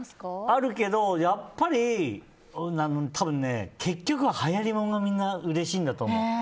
あるけど、結局ははやりものがみんなうれしいんだと思う。